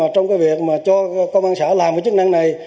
trong cái việc mà cho công an xã làm cái chức năng này